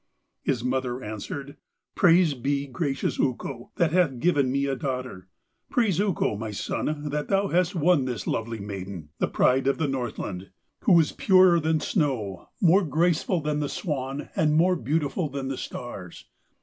His mother answered: 'Praised be gracious Ukko, that hath given me a daughter. Praise Ukko, my son, that thou hast won this lovely maiden, the pride of the Northland, who is purer than the snow, more graceful than the swan, and more beautiful than the stars.